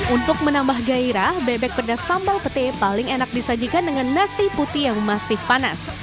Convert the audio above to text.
untuk menambah gairah bebek pedas sambal pete paling enak disajikan dengan nasi putih yang masih panas